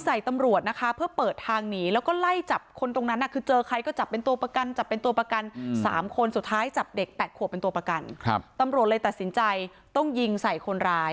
สุดท้ายจับเด็กแปดขัวเป็นตัวประกันครับตำรวจเลยตัดสินใจต้องยิงใส่คนร้าย